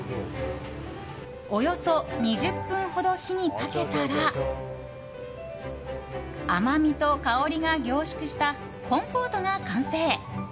およそ２０分ほど火にかけたら甘みと香りが凝縮したコンポートが完成。